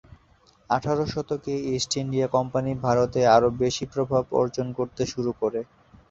আঠারো শতকে East India Company ভারতে আরও বেশি প্রভাব অর্জন করতে শুরু করে।